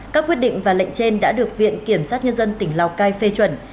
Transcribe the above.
các quyết định và lệnh trên đã được viện kiểm sát nhân dân tỉnh lào cai phê chuẩn